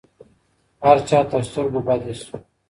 هر چا تر ســتـرګو بد ايـسـو